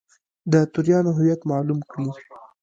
د توریانو هویت معلوم کړي.